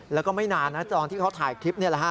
แล้วก็ไม่นานตอนที่เขาถ่ายคลิป